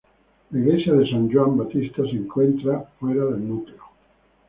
La iglesia de Sant Joan Baptista se encuentra fuera del núcleo.